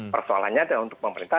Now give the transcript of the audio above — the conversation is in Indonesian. persoalannya untuk pemerintah